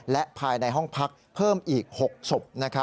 และภายในห้องพักเพิ่มอีก๖ศพ